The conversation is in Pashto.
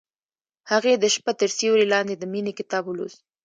هغې د شپه تر سیوري لاندې د مینې کتاب ولوست.